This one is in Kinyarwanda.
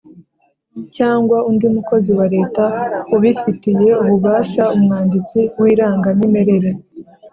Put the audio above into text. cyangwa undi mukozi wa leta ubifitiye ububasha (umwanditsi w’irangamimerere).